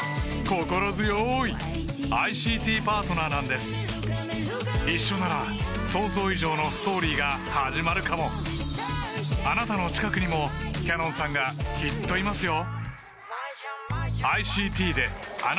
心強いＩＣＴＰＡＲＴＮＥＲなんです一緒なら想像以上のストーリーが始まるかもあなたの近くにもＣａｎｏｎさんがきっといますよ